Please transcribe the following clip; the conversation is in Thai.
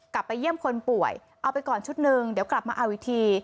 กลับไปเยี่ยมคนป่วยเอาไปก่อนชุดหนึ่งเดี๋ยวกลับมาเอาอีกที